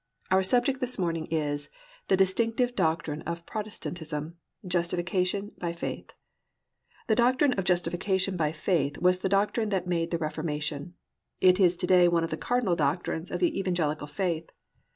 Our subject this morning is, The Distinctive Doctrine of Protestantism: Justification by Faith. The doctrine of Justification by Faith was the doctrine that made the Reformation. It is to day one of the cardinal doctrines of the Evangelical Faith.